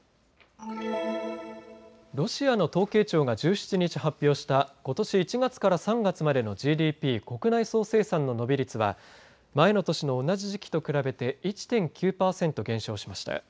ロシアの統計庁が１７日、発表したことし１月から３月までのＧＤＰ・国内総生産の伸び率は前の年の同じ時期と比べて１．９％減少しました。